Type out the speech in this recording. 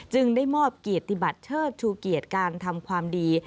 ได้มอบเกียรติบัติเชิดชูเกียรติการทำความดี